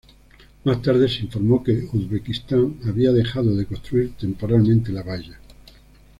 Más tarde se informó que Uzbekistán había dejado de construir temporalmente la valla.